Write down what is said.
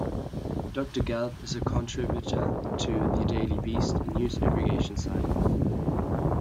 Doctor Gelb is a contributor to The Daily Beast, a news aggregation site.